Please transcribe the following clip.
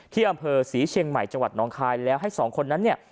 ที่อำเภอศรีเชียงใหม่จังหวัดน้องคายแล้วให้สองคนนั้นเนี่ย